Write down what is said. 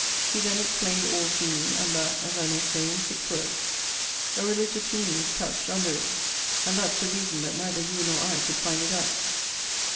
She then explained all to me, and that, as I may say, in six words A religious meaning is couched under it, and that's the reason that neither you nor I could find it out.